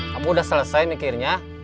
kamu udah selesai mikirnya